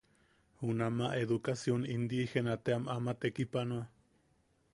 Junama Edukasion Indiigena team ama tekipanoa.